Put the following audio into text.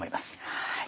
はい。